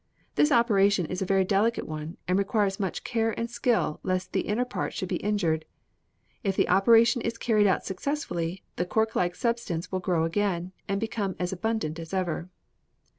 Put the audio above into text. This operation is a very delicate one, and requires much care and skill lest the inner part should be injured. If the operation is carried out successfully, the cork like substance will grow again and become as abundant as ever.